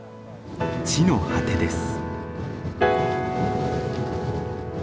地の果てです。